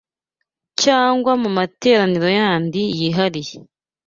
cyangwa mu materaniro yandi yihariye